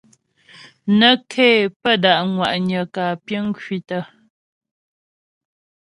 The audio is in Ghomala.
Nə́ ké pə́ da' ŋwa'nyə kǎ piŋ kwǐtə.